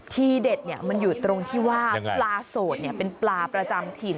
ทีเด็ดมันอยู่ตรงที่ว่าปลาโสดเป็นปลาประจำถิ่น